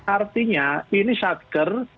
artinya ini satker